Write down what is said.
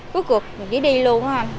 cuối cuộc chị đi luôn